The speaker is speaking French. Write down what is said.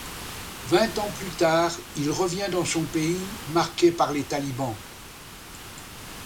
Vingt ans plus tard, il revient dans son pays, marqué par les talibans.